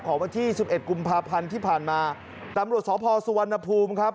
วันที่สิบเอ็ดกุมภาพันธ์ที่ผ่านมาตำรวจสพสุวรรณภูมิครับ